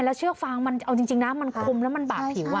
แล้วเชือกฟางมันเอาจริงนะมันคมแล้วมันบาดผิว